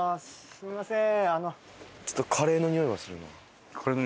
すみません。